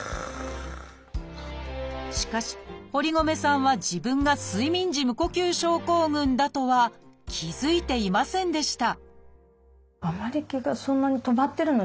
しかし堀米さんは自分が睡眠時無呼吸症候群だとは気付いていませんでした